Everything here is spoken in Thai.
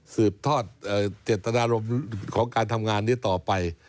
สืบทอดเจตนารมณ์ของการทำงานนี้ต่อไป